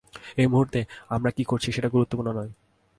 এই মুহূর্তে, আমরা কি করছি সেটা গুরুত্বপূর্ণ নয়।